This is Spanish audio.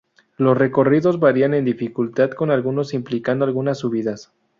Los recorridos varían en dificultad, con algunos implicando algún subidas.